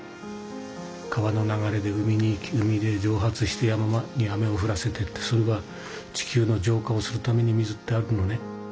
川の流れで海でじょう発して山に雨をふらせてってそれは地球の浄化をするために水ってあるのね。